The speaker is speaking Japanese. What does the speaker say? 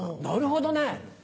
なるほどね。